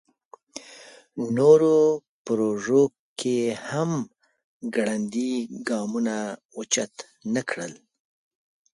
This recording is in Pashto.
نورو پروژو کې یې هم ګړندي ګامونه اوچت نکړل.